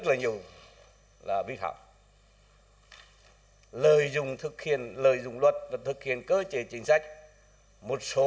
trong mang lỗi di chuyển xã hội